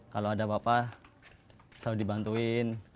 kalau ada apa apa selalu dibantuin